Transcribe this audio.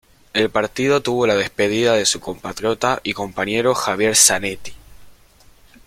El partido tuvo la despedida de su compatriota y compañero Javier Zanetti.